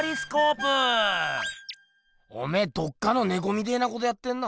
おめえどっかのねこみてえなことやってんな。